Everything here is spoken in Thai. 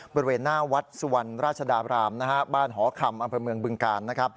บริเวณหน้าวัดสุวรรณราชดาบรามบ้านหคอบึงการ